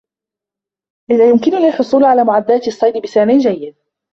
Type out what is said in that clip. أين يمكنني الحصول على معدات الصيد بسعر جيد؟